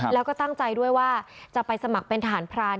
แล้วก็ตั้งใจด้วยว่าจะไปสมัครเป็นทหารพราน